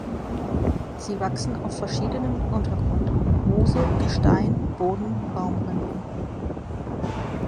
Sie wachsen auf verschiedenem Untergrund: Moose, Gestein, Boden, Baumrinden.